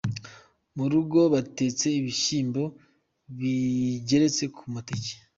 Murugo batetse ibishyimbo bijyeretse ku mateke